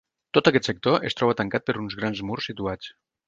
Tot aquest sector es troba tancat per uns grans murs situats.